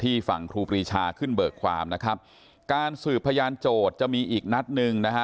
ฝั่งครูปรีชาขึ้นเบิกความนะครับการสืบพยานโจทย์จะมีอีกนัดหนึ่งนะฮะ